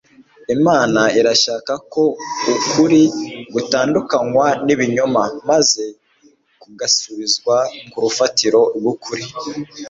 Imana irashaka ko ukuri gutandukanywa n'ibinyoma maze kugasubizwa ku rufatiro rw'ukuri.